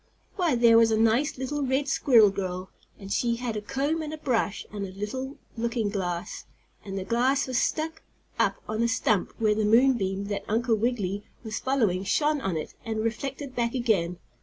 Why, there was a nice, little, red squirrel girl, and she had a comb and a brush, and little looking glass. And the glass was stuck up on a stump where the moon beam that Uncle Wiggily was following shone on it and reflected back again.